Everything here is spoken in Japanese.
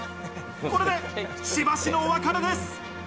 これでしばしのお別れです。